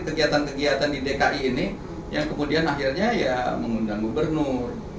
kegiatan kegiatan di dki ini yang kemudian akhirnya ya mengundang gubernur